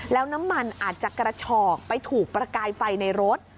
แล้วน้ำมันอาจจะกระฉอกไปถูกประกายไฟในรถ